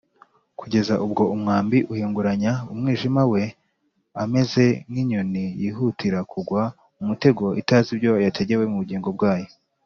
kugeza ubwo umwambi uhinguranya umwijima we, ameze nk’inyoni yihutira kugwa mu mutego, itazi ko yategewe ubugingo bwayo